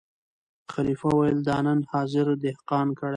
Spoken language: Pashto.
خلیفه ویل دا نن حاضر دهقان کړی